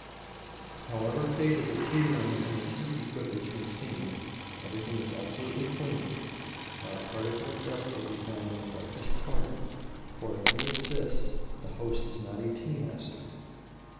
However faded the tea room and the tea equipage may seem, everything is absolutely clean. Not a particle of dust will be found in the darkest corner, for if any exists the host is not a tea master.